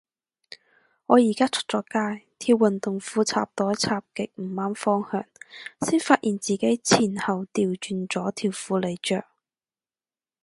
我而家出咗街，條運動褲插袋插極唔啱方向，先發現自己前後掉轉咗條褲嚟着